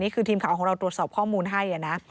ทีมข่าวของเราตรวจสอบข้อมูลให้นะ